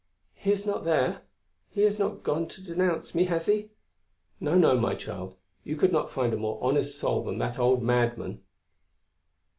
"He is not there?... He has not gone to denounce me, has he?" "No, no, my child. You could not find a more honest soul than that old madman."